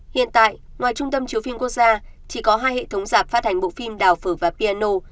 hiện tại ngoài trung tâm chiếu phim quốc gia chỉ có hai hệ thống giạp phát hành bộ phim đào phở và piano